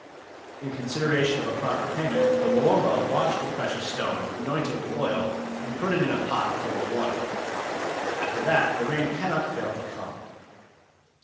In consideration of a proper payment, the Wawamba wash the precious stone, anoint it with oil, and put it in a pot full of water. After that the rain cannot fail to come.